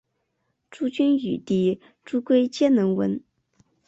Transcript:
朱筠与弟朱圭皆能文。